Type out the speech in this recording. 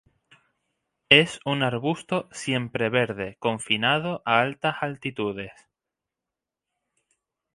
Es un arbusto siempreverde, confinado a altas altitudes.